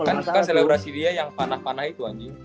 kan kan kan selebrasi dia yang panah panah itu anjing